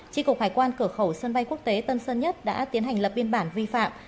tri cục hải quan cửa khẩu sân bay quốc tế tân sơn nhất đã tiến hành lập biên bản vi phạm